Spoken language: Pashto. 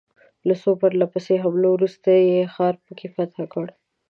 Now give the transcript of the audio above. له څو پرله پسې حملو وروسته یې ښار په کې فتح کړ.